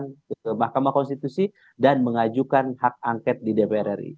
mengajukan ke mahkamah konstitusi dan mengajukan hak angket di dpr ri